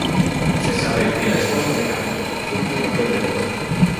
Se sabe que la esposa de Canuto fue una mujer devota.